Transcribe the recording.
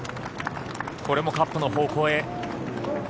これもカップの方向へ。